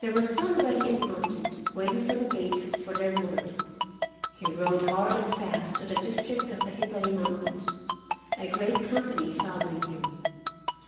They were soon ready and mounted, waiting at the gate for their lord. He rode hard and fast to the district of the Hibari Mountains, a great company following him.